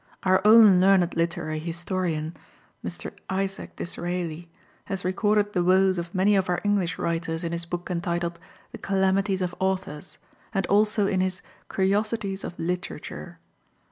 Our own learned literary historian, Mr. Isaac Disraeli, has recorded the woes of many of our English writers in his book entitled "The Calamities of Authors" and also in his "Curiosities of Literature."